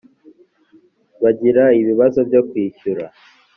bagira ibibazo byo kwishyura